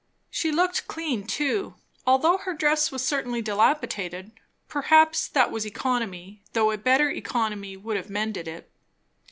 She looked clean too, although her dress was certainly dilapidated; perhaps that was economy, though a better economy would have mended it.